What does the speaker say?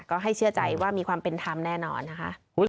ก็ให้เชื่อใจว่ามีความเป็นธรรมแน่นอนนะคะ